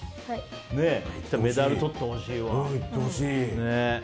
ねえ、メダルとってほしいよね。